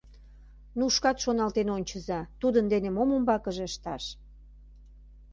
Ну, шкат шоналтен ончыза, тудын дене мом умбакыже ышташ?